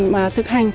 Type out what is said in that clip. mà thực hành